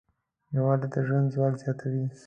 یووالی د ژوند ځواک زیاتوي.